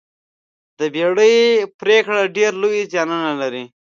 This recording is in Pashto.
د بیړې پرېکړه ډېر لوی زیانونه لري.